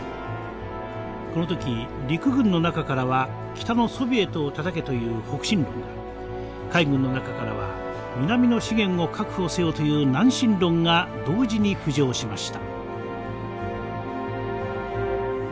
この時陸軍の中からは「北のソビエトをたたけ」という北進論が海軍の中からは「南の資源を確保せよ」という南進論が同時に浮上しました。